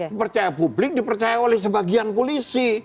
dipercaya publik dipercaya oleh sebagian polisi